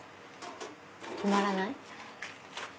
止まらない。